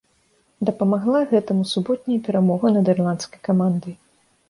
Дапамагла гэтаму суботняя перамога над ірландскай камандай.